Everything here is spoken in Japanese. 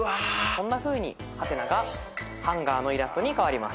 こんなふうに「？」がハンガーのイラストに変わります。